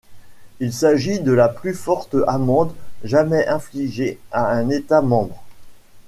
Il s'agit de la plus forte amende jamais infligée à un État membre.